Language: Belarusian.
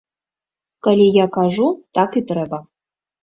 Калі я кажу, так і трэба.